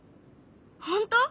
本当？